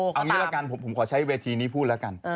เอาอย่างนี้ละกันผมขอใช้เวทีนี้พูดละกัน